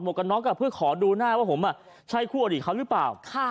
กันน็อกเพื่อขอดูหน้าว่าผมใช่คู่อดีตเขาหรือเปล่า